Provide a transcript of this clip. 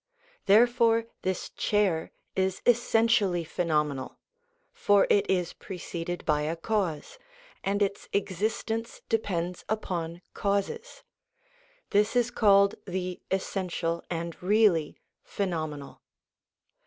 Therefore this chair is essentially phenomenal, for it is preceded by a cause, and its existence depends upon causes. This is called the essential and really phenomenal.